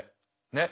ねっ。